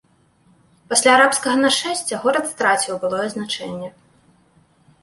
Пасля арабскага нашэсця горад страціў былое значэнне.